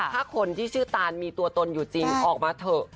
ถ้าคนที่ชื่อตานมีตัวตนอยู่จริงออกมาเถอะ